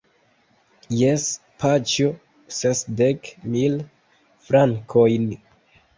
Jes, paĉjo, sesdek mil frankojn.